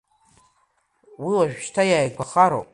Уи уажәшьҭа иааигәахароуп.